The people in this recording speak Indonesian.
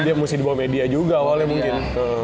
dia mesti dibawa media juga awalnya mungkin